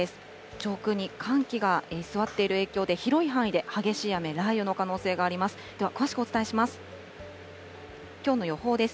上空に寒気が居座っている影響で、広い範囲で激しい雨、雷雨の可能性があります。